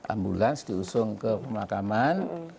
ambulans diusung ke pemakaman